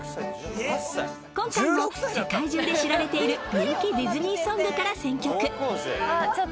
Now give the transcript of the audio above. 今回も世界中で知られている人気ディズニーソングから選曲。